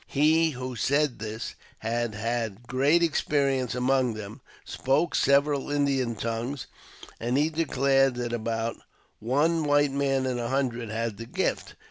He who said this had had great experience among them, spoke several Indian tongues, and he declared that about one white man in a hundred had the gift.